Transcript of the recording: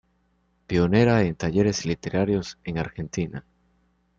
Pionera en talleres literarios en Argentina.